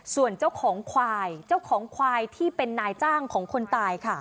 ส่วนเจ้าของควายที่เป็นนายจ้างของคนตาย